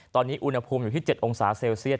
ตอนนี้อุณหภูมิอยู่ที่๗องศาเซลเซียต